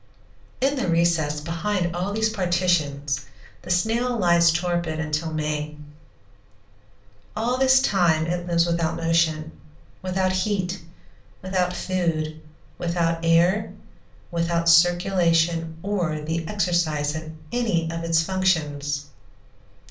In the recess behind all these partitions the snail lies torpid until May. All this time it lives without motion, without heat, without food, without air, without circulation or the exercise of any of its functions.